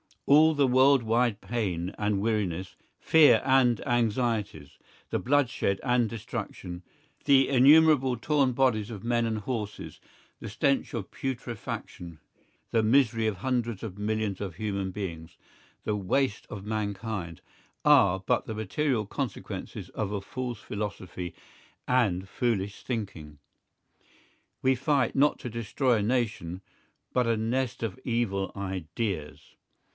All the world wide pain and weariness, fear and anxieties, the bloodshed and destruction, the innumerable torn bodies of men and horses, the stench of putrefaction, the misery of hundreds of millions of human beings, the waste of mankind, are but the material consequences of a false philosophy and foolish thinking. We fight not to destroy a nation, but a nest of evil ideas.